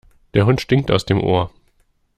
Der Hund stinkt aus dem Ohr.